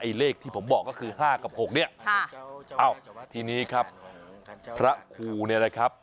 เลขที่ผมบอกก็คือ๕กับ๖เนี่ยเอ้าทีนี้ครับพระครูเนี่ยนะครับ